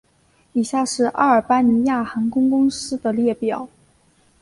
以下是阿尔巴尼亚航空公司的列表